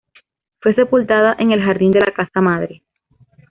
Fue sepultada en el jardín de la casa madre.